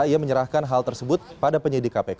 ia menyerahkan hal tersebut pada penyidik kpk